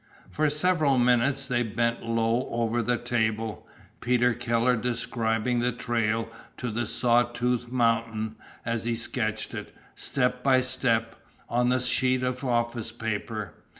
For several minutes they bent low over the table, Peter Keller describing the trail to the Saw Tooth Mountain as he sketched it, step by step, on a sheet of office paper.